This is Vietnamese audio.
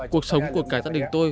cuộc sống của cả gia đình tôi